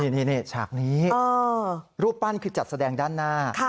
นี่ฉากนี้รูปปั้นคือจัดแสดงด้านหน้า